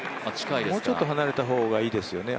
もうちょっと離れた方がいいですよね。